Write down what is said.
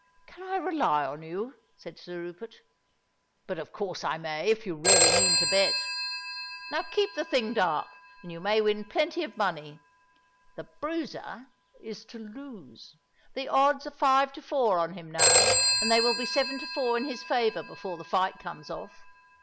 "Can I rely on you?" said Sir Rupert. "But of course I may, if you really mean to bet. Now keep the thing dark—and you may win plenty of money. The Bruiser is to lose: the odds are five to four on him now—and they will be seven to four in his favour before the fight comes off.